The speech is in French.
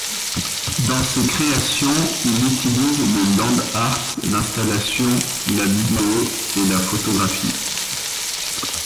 Dans ses créations, il utilise le Land art, l'Installation, la vidéo et la photographie.